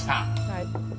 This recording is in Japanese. はい。